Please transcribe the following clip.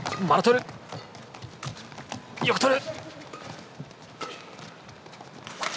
よくとる。